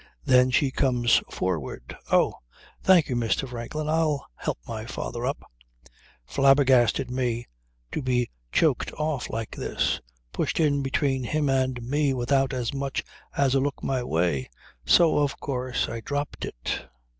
Then she comes forward. "Oh! Thank you, Mr. Franklin. I'll help my father up." Flabbergasted me to be choked off like this. Pushed in between him and me without as much as a look my way. So of course I dropped it.